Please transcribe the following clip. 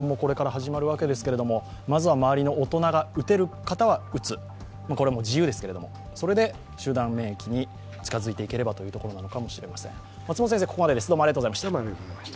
お子さんもこれから始まるわけですけれどもまずは周りの大人が打てる方は打つ、これは自由ですけれどもそれで集団免疫に近づいていければというところなのかもしれません。